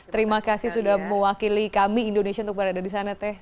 terima kasih sudah mewakili kami indonesia untuk berada di sana teh